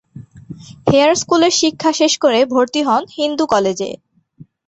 Hair স্কুলের শিক্ষা শেষ করে ভর্তি হন হিন্দু কলেজে।